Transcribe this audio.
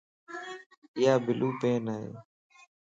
ايا بلو پين ائي.